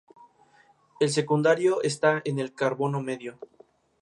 Brad Wood volvió a producir el nuevo trabajo de la banda.